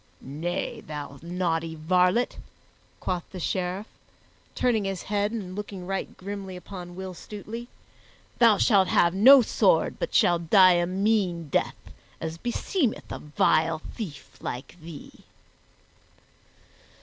"Nay, thou naughty varlet," quoth the Sheriff, turning his head and looking right grimly upon Will Stutely, "thou shalt have no sword but shall die a mean death, as beseemeth a vile thief like thee."